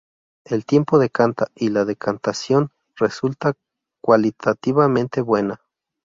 El tiempo decanta y la decantación resulta, cualitativamente, buena.